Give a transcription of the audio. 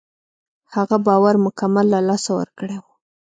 هغه باور مکمل له لاسه ورکړی و.